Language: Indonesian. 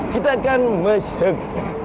kita akan masak